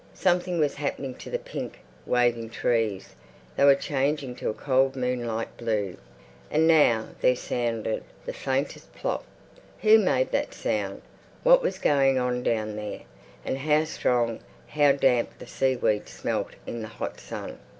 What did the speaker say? Something was happening to the pink, waving trees; they were changing to a cold moonlight blue. And now there sounded the faintest "plop." Who made that sound? What was going on down there? And how strong, how damp the seaweed smelt in the hot sun....